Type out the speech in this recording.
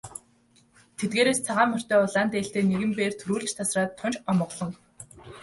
Тэдгээрээс цагаан морьтой улаан дээлтэй нэгэн бээр түрүүлж тасраад тун ч омголон.